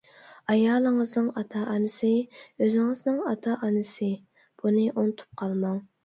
ئايالىڭىزنىڭ ئاتا-ئانىسى، ئۆزىڭىزنىڭ ئاتا-ئانىسى بۇنى ئۇنتۇپ قالماڭ.